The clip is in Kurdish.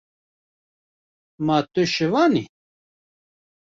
Ma tu şivan î?